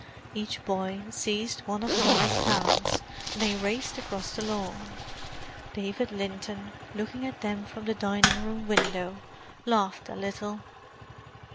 Each boy seized one of Norah's hands and they raced across the lawn. David Linton, looking at them from the dining room window, laughed a little.